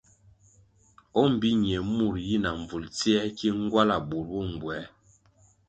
O mbpi ñie mur yi na mbvulʼ tsiē ki ngwala burʼ bo mbwē.